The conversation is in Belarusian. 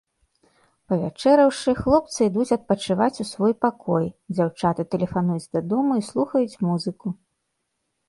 Павячэраўшы, хлопцы ідуць адпачываць у свой пакой, дзяўчаты тэлефануюць дадому і слухаюць музыку.